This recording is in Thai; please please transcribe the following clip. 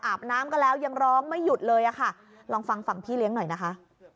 น้ำก็แล้วยังร้องไม่หยุดเลยอะค่ะลองฟังฝั่งพี่เลี้ยงหน่อยนะคะ